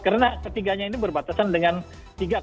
karena ketiganya ini berbatasan dengan tiga komponen masing masing